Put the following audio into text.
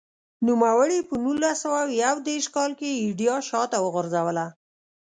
نوموړي په نولس سوه یو دېرش کال کې ایډیا شاته وغورځوله.